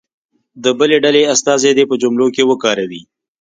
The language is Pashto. د بلې ډلې استازی دې په جملو کې وکاروي.